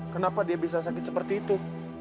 kenapa dia bisa sakit seperti itu